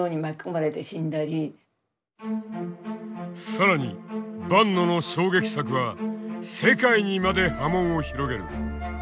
更に坂野の衝撃作は世界にまで波紋を広げる。